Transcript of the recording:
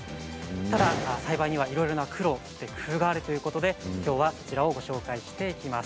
ただ栽培にはいろいろな苦労そして工夫があるということできょうはこちらをご紹介していきます。